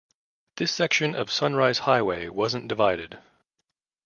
This section of Sunrise Highway wasn't divided.